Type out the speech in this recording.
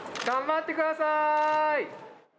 頑張ってください！